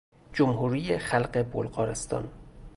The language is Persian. جمهوری خلق بلغارستان